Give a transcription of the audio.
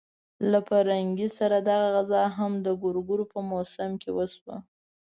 له پرنګي سره دغه غزا هم د ګورګورو په موسم کې وشوه.